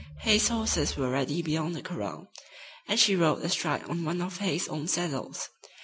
Hay's horses were ready beyond the corral, and she rode astride on one of Hay's own saddles.